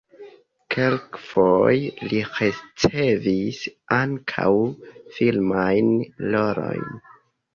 Kelkfoje li ricevis ankaŭ filmajn rolojn.